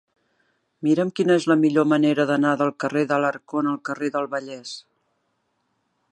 Mira'm quina és la millor manera d'anar del carrer d'Alarcón al carrer del Vallès.